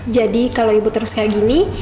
jadi kalau ibu terus kayak gini